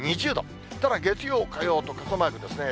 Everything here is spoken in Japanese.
ただ月曜、火曜と傘マークですね。